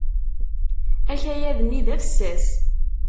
Akayad-nni d afessas.